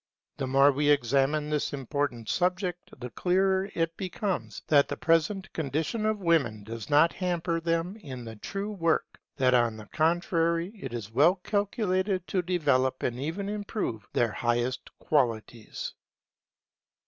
The more we examine this important subject, the clearer it becomes that the present condition of women does not hamper them in their true work; that, on the contrary, it is well calculated to develop and even improve their highest qualities.